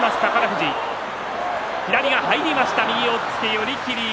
寄り切り。